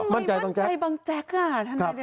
แล้วทำไมมั่นใจบังแจ็คอ่ะท่านภายเรียสา